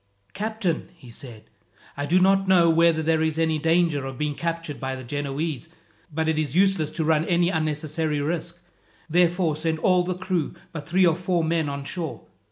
"Captain," he said, "I do not know whether there is any danger of being captured by the Genoese. But it is useless to run any unnecessary risk. Therefore send all the crew but three or four men on shore.